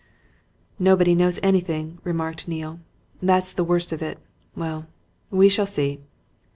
"Nobody knows anything," remarked Neale. "That's the worst of it. Well we shall see."